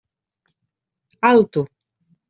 Alto!